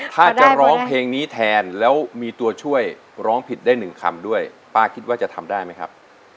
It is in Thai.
ถ้าจะร้องเพลงนี้แทนแล้วมีตัวช่วยร้องผิดได้หนึ่งคำด้วยป้าคิดว่าจะทำได้ไหมครับ